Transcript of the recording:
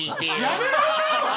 やめろ。